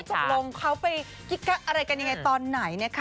ตกลงเขาไปกิ๊กกักอะไรกันยังไงตอนไหนนะคะ